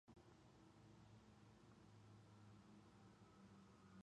Trans-Texas followed by Texas International operated a hub at the airport as well.